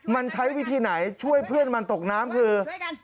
มันใช้วิธีไหนช่วยเพื่อนมันตกน้ำคือ